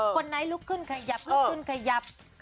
คนไหนลกขึ้นขยับขยับ